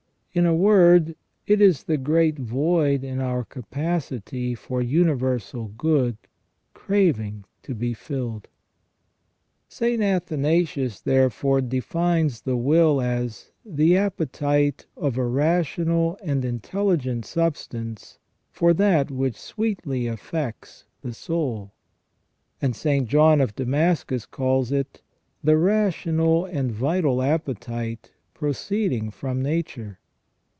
* In a word, it is the great void in our capacity for universal good craving to be filled. St. Athanasius, therefore, defines the will as " the appetite of a rational and intelligent substance for that which sweetly affects the soul ".f And St. John of Damascus calls it " the rational and vital appetite proceeding from nature